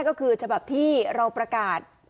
ก็คือฉบับที่เราประกาศ